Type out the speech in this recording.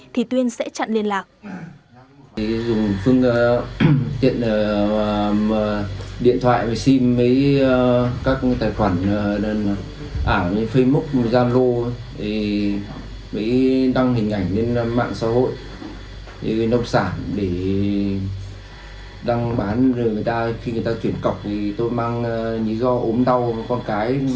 thì tuyên sẽ chặn liên lạc